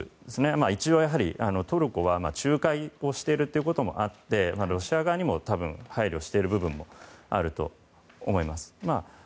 一応、トルコは仲介をしていることもあってロシア側にも配慮している部分もあると思います。